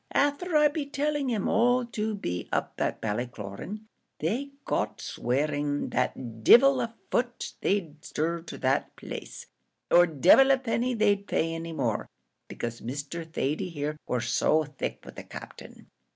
Afther I'd been telling 'em all to be up at Ballycloran, they got swearing that divil a foot they'd stir to the place, or divil a penny they'd pay any more, because Mr. Thady here war so thick with the Captain.